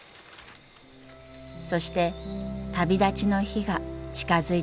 そして旅立ちの日が近づいてきました。